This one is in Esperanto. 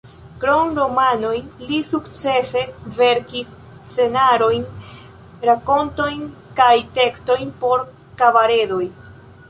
Krom romanojn li sukcese verkis scenarojn, rakontojn kaj tekstojn por kabaredoj.